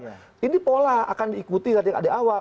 jadi pola akan diikuti dari awal